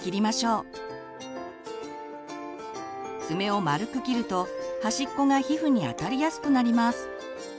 爪を丸く切ると端っこが皮膚に当たりやすくなります。